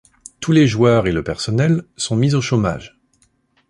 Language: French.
Tous les joueurs et le personnel sont mis au chômage.